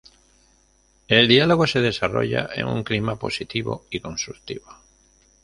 El diálogo se desarrolló en un clima positivo y constructivo.